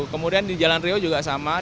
kami akan menjelaskan